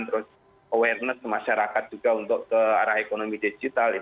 terus awareness ke masyarakat juga untuk ke arah ekonomi digital